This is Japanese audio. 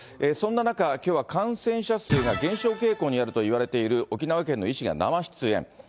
そんな中、きょうは感染者数が減少傾向にあるといわれている沖縄県の医師が生出演。